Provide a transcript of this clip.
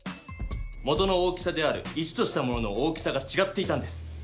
元の大きさである１としたものの大きさがちがっていたんです。